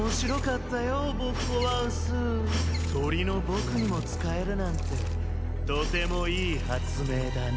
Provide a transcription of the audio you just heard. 鳥の僕にも使えるなんてとてもいい発明だね。